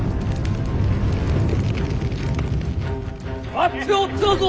待っておったぞ！